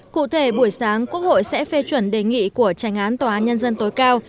cụ thể buổi sáng quốc hội sẽ phê chuẩn đề nghị của trành án tòa án nhân dân tối cao